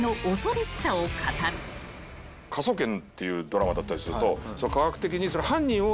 『科捜研』っていうドラマだったりすると科学的に。